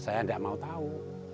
saya gak mau tahu